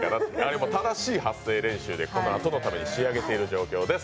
でも、正しい発声練習で、このあとのために仕上げている状況です。